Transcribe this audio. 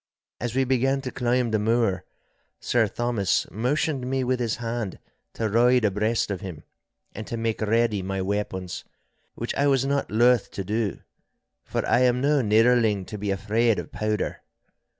As we began to climb the moor, Sir Thomas motioned me with his hand to ride abreast of him, and to make ready my weapons, which I was not loth to do, for I am no nidderling to be afraid of powder.